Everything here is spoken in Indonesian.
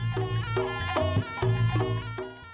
sebab ponorogo adalah reok